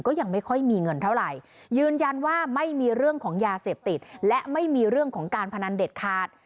ยังไม่ค่อยมีเงินเท่าไหร่ยืนยันว่าไม่มีเรื่องของยาเสพติดและไม่มีเรื่องของการพนันเด็ดขาด